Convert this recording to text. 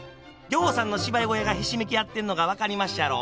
ぎょうさんの芝居小屋がひしめき合ってんのが分かりまっしゃろ？